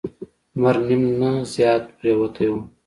لمر نیم نه زیات پریوتی و.